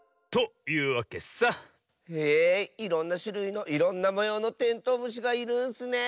いろんなしゅるいのいろんなもようのテントウムシがいるんスねえ。